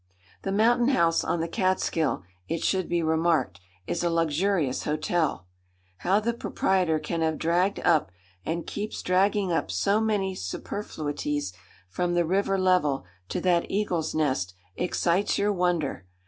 The Mountain House on the Catskill, it should be remarked, is a luxurious hotel. How the proprietor can have dragged up, and keeps dragging up, so many superfluities from the river level to that eagle's nest, excites your wonder.